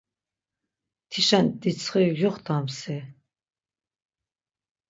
“Tişen ditsxiri gyuxtams i?”